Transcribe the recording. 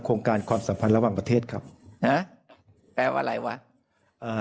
โครงการความสัมพันธ์ระหว่างประเทศครับฮะแปลว่าอะไรวะอ่า